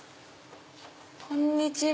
こんにちは。